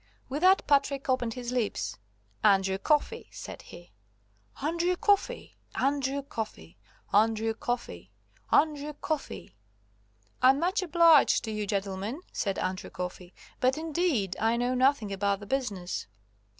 With that Patrick opened his lips: "Andrew Coffey!" said he. "Andrew Coffey! Andrew Coffey! Andrew Coffey! Andrew Coffey!" "I'm much obliged to you, gentlemen," said Andrew Coffey, "but indeed I know nothing about the business."